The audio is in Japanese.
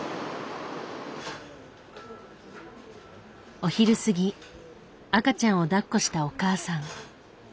お昼過ぎ赤ちゃんを抱っこしたお母さん。